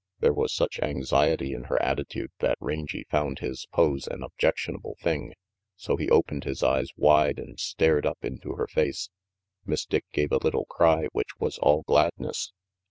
There was such anxiety in her attitude that Rangy found his pose an objectionable thing. So he opened his eyes wide and stared up into her face. Miss Dick gave a little cry which was all gladness.